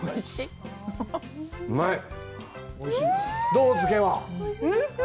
うまいっ。